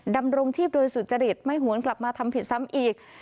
ดำรงชีพโดยสุจริตไม่หวนกลับมาทำผิดซ้ำอีก